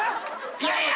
いやいや。